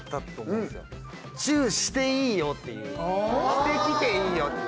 「チューしていいよ」っていうして来ていいよって。